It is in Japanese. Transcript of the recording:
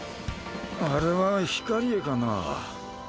あれはヒカリエかな。